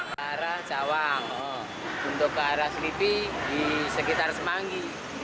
ke arah cawang untuk ke arah selipi di sekitar semanggi